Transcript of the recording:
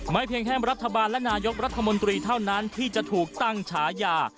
เพียงแค่รัฐบาลและนายกรัฐมนตรีเท่านั้นที่จะถูกตั้งฉายา